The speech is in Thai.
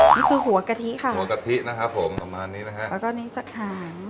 นี่คือหัวกะทิค่ะหัวกะทินะครับผมสำหรับอันนี้นะฮะแล้วก็นี่สักหาง